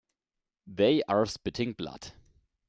They are spitting blood.